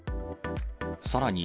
さらに、